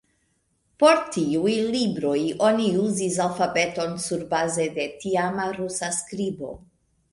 Por tiuj libroj oni uzis alfabeton surbaze de tiama rusa skribo.